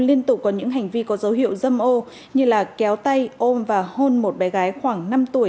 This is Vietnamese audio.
liên tục có những hành vi có dấu hiệu dâm ô như là kéo tay ôm và hôn một bé gái khoảng năm tuổi